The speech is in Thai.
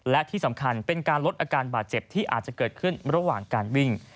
และที่สำคัญเป็นการลดอาการบาดเจ็บที่อาจจะเกิดขึ้นระหว่างการวิ่ง